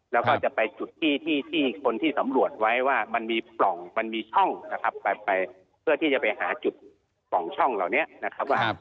แล้วก็จะไปจุดที่ที่คนที่สำรวจไว้ว่ามันมีปล่องมันมีช่องนะครับไปเพื่อที่จะไปหาจุดปล่องช่องเหล่านี้นะครับว่า